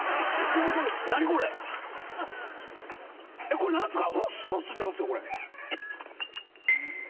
これ何すか？